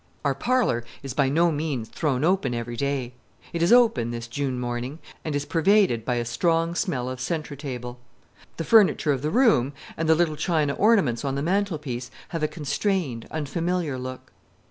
Our parlor is by no means thrown open every day. It is open this June morning, and is pervaded by a strong smell of centretable. The furniture of the room, and the little China ornaments on the mantel piece, have a constrained, unfamiliar look.